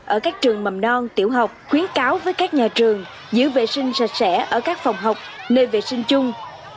ở các trường mầm non tiểu học khuyến cáo với các nhà trường giữ vệ sinh sạch sẽ ở các phòng học nơi vệ sinh chung